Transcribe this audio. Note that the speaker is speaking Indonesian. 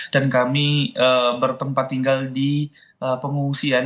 dan kami bertempat tinggal di pengungsian